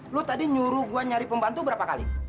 lo tadi nyuruh gue nyari pembantu berapa kali